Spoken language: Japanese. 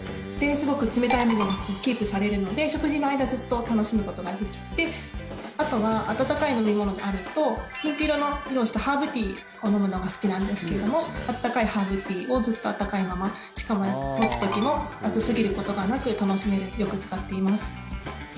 すごく冷たいものがキープされるので食事の間ずっと楽しむことができてあとは温かい飲み物があるとピンク色をしたハーブティーを飲むのが好きなんですけども温かいハーブティーをずっと温かいまましかも持つ時も熱すぎることがなく楽しめるのでよく使っています。